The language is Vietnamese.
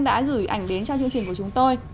đã gửi ảnh đến cho chương trình của chúng tôi